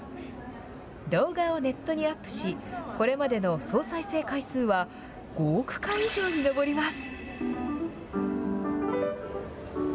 動画をネットにアップし、これまでの総再生回数は５億回以上に上ります。